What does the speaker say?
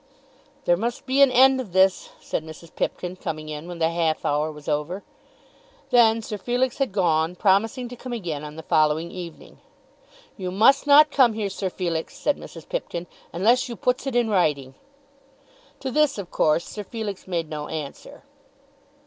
"There must be an end of this," said Mrs. Pipkin, coming in when the half hour was over. Then Sir Felix had gone, promising to come again on the following evening. "You must not come here, Sir Felix," said Mrs. Pipkin, "unless you puts it in writing." To this, of course, Sir Felix made no answer.